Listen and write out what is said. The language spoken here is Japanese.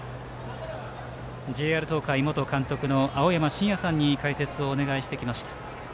ＪＲ東海元監督の青山眞也さんに解説をお願いしてきました。